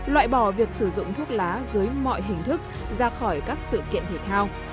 loại bỏ việc sử dụng thuốc lá dưới mọi hình thức ra khỏi các sự kiện thể thao